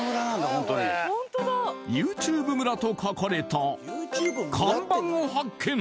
ホントにＹｏｕＴｕｂｅ村と書かれた看板を発見！